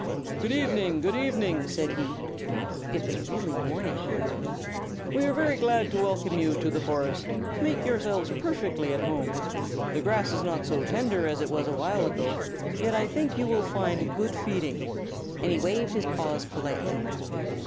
"Good evening, good evening," said he (it was really morning, you know). "We are very glad to welcome you to the forest. Make yourselves perfectly at home. The grass is not so tender as it was a while ago, yet I think that you will find good feeding," and he waved his paws politely.